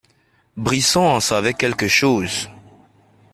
Brisson en savait quelque chose.